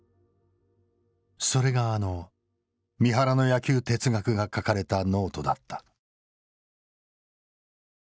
それがあの三原の野球哲学が書かれたノートだった。